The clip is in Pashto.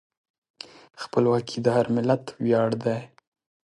خپلواکي د هر ملت ویاړ دی.